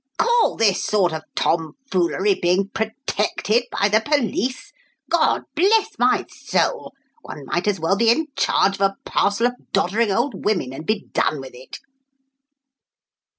Call this sort of tomfoolery being protected by the police? God bless my soul! one might as well be in charge of a parcel of doddering old women and be done with it!"